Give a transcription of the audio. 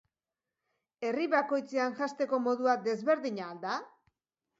Herri bakoitzean janzteko modua desberdina al da?